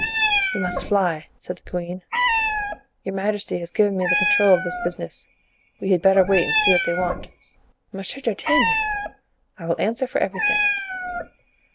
"We must fly," said the queen. "Your majesty has given me the control of this business; we had better wait and see what they want." "Monsieur d'Artagnan!" "I will answer for everything."